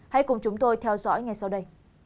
hãy cùng chúng tôi theo dõi ngay sau đây